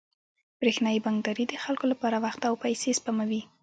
برېښنايي بانکداري د خلکو لپاره وخت او پیسې سپموي.